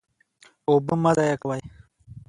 اوبه مه ضایع کوئ